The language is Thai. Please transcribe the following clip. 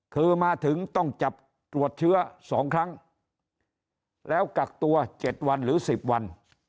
คือมาถึงต้องจับตรวจเชื้อ๒ครั้งแล้วกักตัว๗วันหรือ๑๐วัน